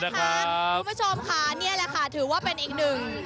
คุณผู้ชมค่ะนี่แหละค่ะถือว่าเป็นอีกหนึ่ง